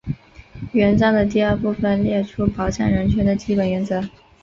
宪章的第二部分列出保障人权的基本原则。